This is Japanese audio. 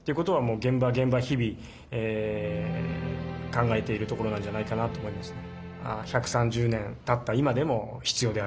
現場現場日々考えているところなんじゃないかなと思いますね。